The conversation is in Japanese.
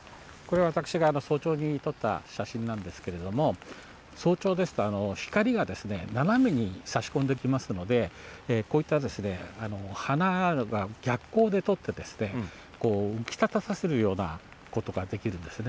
これは私が早朝に撮った写真なんですけれども、早朝ですと光が斜めにさし込んできますので、こういった花が逆行で撮って、浮き立たせるようなことができるんですね。